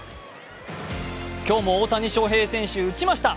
今日も大谷翔平選手、打ちました。